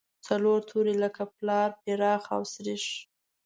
څلور توري لکه پلار، پراخ او سرېښ.